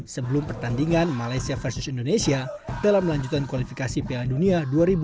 sebelum pertandingan malaysia versus indonesia dalam melanjutkan kualifikasi piala dunia dua ribu dua puluh